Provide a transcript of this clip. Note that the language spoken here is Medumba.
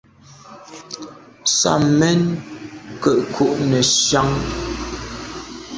Sàm mèn ke’ ku’ nesian.